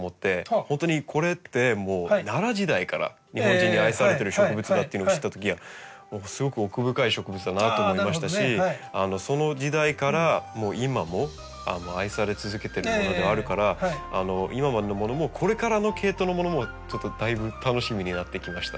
本当にこれってもう奈良時代から日本人に愛されてる植物だっていうのを知ったときはすごく奥深い植物だなと思いましたしその時代から今も愛され続けてるものではあるから今までのものもこれからのケイトウのものもちょっとだいぶ楽しみになってきました。